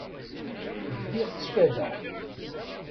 Bdiɣ ttfadeɣ.